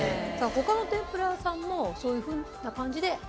他の天ぷら屋さんもそういうふうな感じで？